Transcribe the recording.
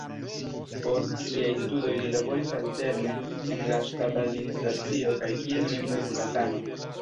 Post siaj studoj li laboris alterne en la ŝtata administracio kaj kiel universitatano.